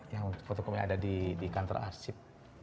yang fotokopi ada di kantor arsip